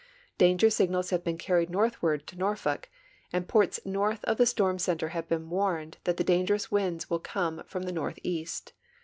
Danger siunals have been carried northward to Norfolk, and ports north of tiie storm center have been warned that the dan gerous winds will come from the northeast.